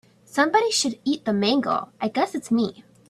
Somebody should eat the mango, I guess it is me.